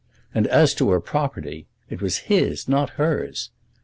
And as to her property, it was his, not hers.